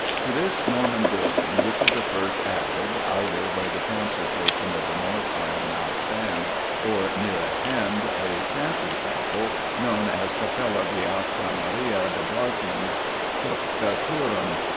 To this Norman building Richard I. added, either where the chancel portion of the north aisle now stands, or near at hand, a Chantry Chapel known as CAPELLA BEATAE MARIAE DE BERKINGE JUXTA TURRIM.